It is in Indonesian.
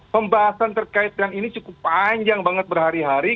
pembahasan terkait dengan ini cukup panjang banget berhari hari